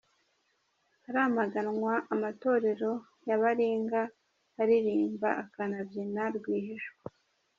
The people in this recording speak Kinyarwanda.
Haramaganwa amatorero ya baringa aririmba akanabyina rwihishwa